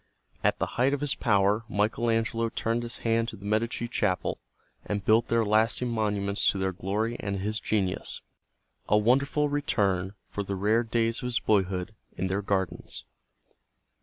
At the height of his power Michael Angelo turned his hand to the Medici Chapel and built there lasting monuments to their glory and his genius, a wonderful return for the rare days of his boyhood in their gardens.